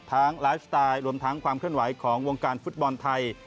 ไลฟ์สไตล์รวมทั้งความเคลื่อนไหวของวงการฟุตบอลไทย